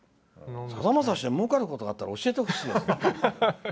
さだまさしでもうかることがあるなら教えてほしいよ。